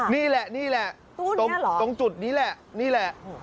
นี่แหละนี่แหละตรงจุดนี้แหละ